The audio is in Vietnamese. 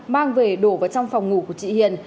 mang về đổ vào trong phòng ngủ của chị hiền